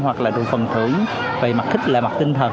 hoặc là được phần thưởng về mặt khích lại